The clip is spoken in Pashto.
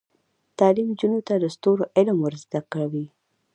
تعلیم نجونو ته د ستورو علم ور زده کوي.